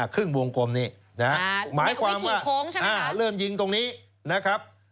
ครึ่งวงกลมนี้นะฮะหมายความว่าเริ่มยิงตรงนี้นะครับ